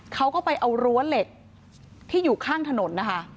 เขาก็ไปเอารั้วเหล็กที่อยู่ข้างถนนนะคะ